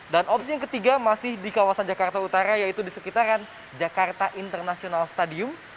opsi yang ketiga masih di kawasan jakarta utara yaitu di sekitaran jakarta international stadium